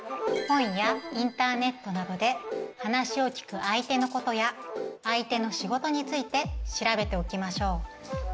本やインターネットなどで話を聞く相手のことや相手の仕事について調べておきましょう。